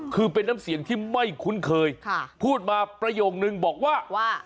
คือเป็นน้ำเสียงที่ไม่คุ้นเคยพูดมาประโยคนึงบอกว่า